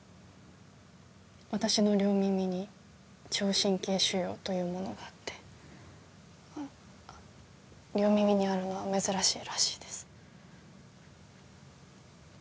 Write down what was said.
私の両耳に聴神経腫瘍というものがあって両耳にあるのは珍しいらしいです